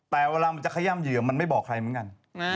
แต่เวลามันจะขย่ำเหยื่อมันไม่บอกใครเหมือนกัน